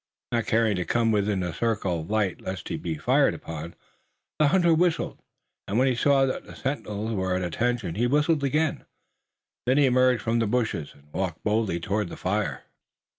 Not caring to come within the circle of light lest he be fired upon, the hunter whistled, and when he saw that the sentinels were at attention he whistled again. Then he emerged from the bushes, and walked boldly toward the fire.